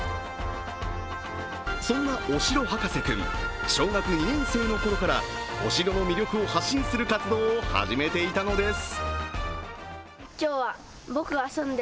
そんなお城博士くん、小学２年生のころからお城の魅力を発信する活動を始めていたのです